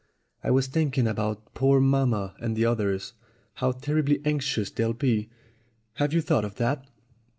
"I was thinking about poor mamma and the others. How terribly anxious they'll be! Have you thought of that?"